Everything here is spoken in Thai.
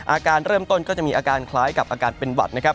อาการเริ่มต้นก็จะมีอาการคล้ายกับอาการเป็นหวัดนะครับ